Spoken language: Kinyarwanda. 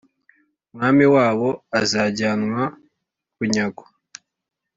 umwami wabo azajyanwa bunyago,